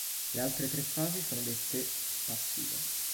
Le altre tre fasi sono dette "passive".